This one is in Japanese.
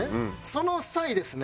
その際ですね